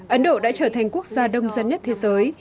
ấn độ đã trở thành quốc gia đông dân nhất thế giới